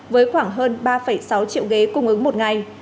với khoảng hơn ba sáu triệu ghế cung ứng một ngày